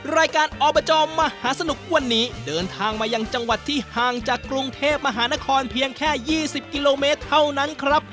รายการอบจมหาสนุกวันนี้เดินทางมายังจังหวัดที่ห่างจากกรุงเทพมหานครเพียงแค่๒๐กิโลเมตรเท่านั้นครับ